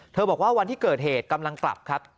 บอกว่าวันที่เกิดเหตุกำลังกลับครับ